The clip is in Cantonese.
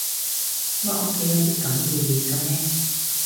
乜屋企有啲噉嘅嘢㗎咩？